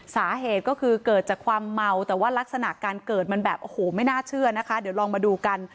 สาเหตุก็คือเกิดจากความเมาแต่ว่ารักษณะการเกิดมันแบบโอ้โหไม่น่าเชื่อนะคะเดี๋ยวลองมาดูกัน